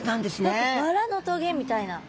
何かバラのトゲみたいな。